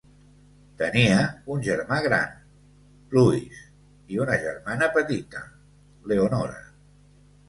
Tenia un germà gran, Louis, i una germana petita, Leonora.